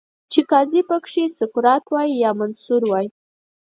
چې قاضي پکې سقراط وای، یا منصور وای